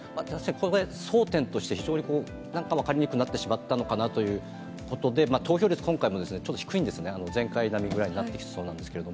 争点として非常になんか分かりにくくなってしまったのかなということで、投票率、今回ちょっと低いんですね、前回並みぐらいになってきそうなんですけど。